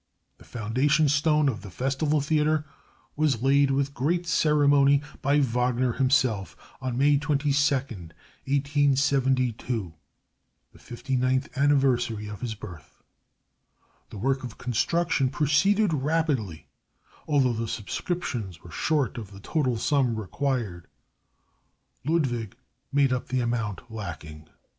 The foundation stone of the Festival Theater was laid with great ceremony by Wagner himself on May 22, 1872, the 59th anniversary of his birth. The work of construction proceeded rapidly, although the subscriptions were short of the total sum required. Ludwig made up the amount lacking.